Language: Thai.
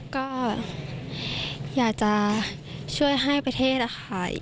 ก็อยากจะช่วยให้ประเทศอะค่ะ